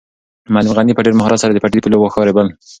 معلم غني په ډېر مهارت سره د پټي د پولې واښه رېبل.